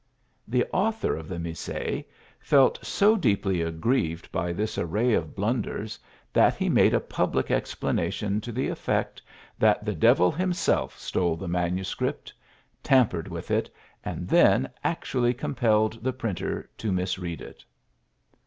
The author of the Missae felt so deeply aggrieved by this array of blunders that he made a public explanation to the effect that the devil himself stole the manuscript, tampered with it, and then actually compelled the printer to misread it.